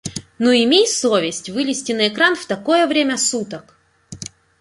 Ну имей совесть! Вылезти на экран в такое время суток...